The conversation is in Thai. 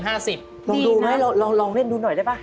ลองดูไหมลองเล่นดูหน่อยได้ป่